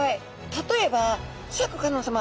例えばシャーク香音さま